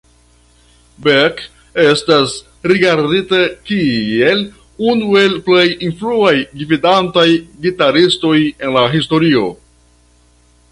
Beck estas rigardita kiel unu el plej influaj gvidantaj gitaristoj en la historio.